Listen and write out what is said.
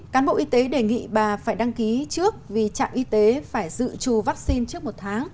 cán bộ y tế đề nghị bà phải đăng ký trước vì trạm y tế phải dự trù vaccine trước một tháng